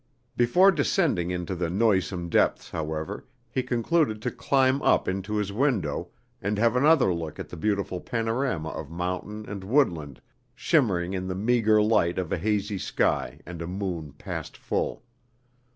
Before descending into the noisome depths, however, he concluded to climb up into his window, and have another look at the beautiful panorama of mountain and woodland shimmering in the meagre light of a hazy sky and a moon past full.